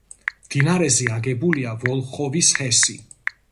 მდინარეზე აგებულია ვოლხოვის ჰესი.